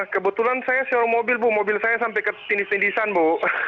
kebetulan saya sewa mobil bu mobil saya sampai ke tindih tindisan bu